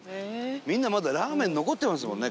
みんなまだラーメン残ってますもんね